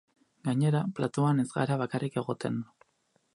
Gainera, platoan ez gara bakarrik egoten.